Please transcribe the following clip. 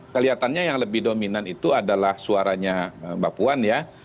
kelihatannya yang lebih dominan itu adalah suaranya mbak puan ya